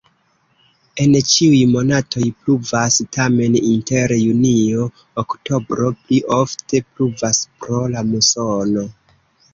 En ĉiuj monatoj pluvas, tamen inter junio-oktobro pli ofte pluvas pro la musono.